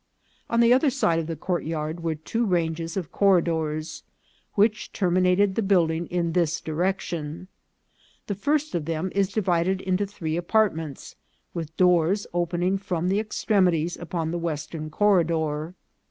On the other side of the courtyard were two ranges of corridors, which terminated the building in this di rection. The first of them is divided into three apart ments, with doors opening from the extremities upon the western corridor.